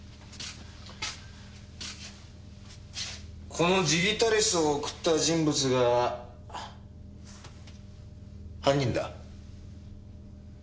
このジギタリスを贈った人物が犯人だ。